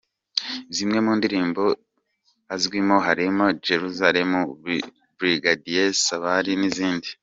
Zimwe mu ndirimbo azwimo harimo “Jelusalem”, “Brigadier Sabari” n’izindi.